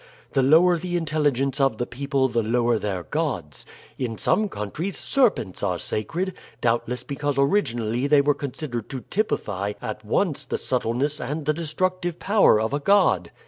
The lower the intelligence of the people the lower their gods. In some countries serpents are sacred, doubtless because originally they were considered to typify at once the subtleness and the destructive power of a god.